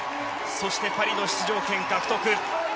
そして、パリの出場権獲得。